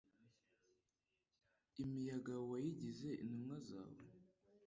Imiyaga wayigize intumwa zawe